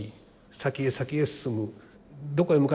先へ先へ進む。